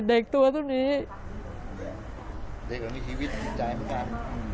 เด็กตัวทุกนี้เด็กมันมีชีวิตใจเหมือนกัน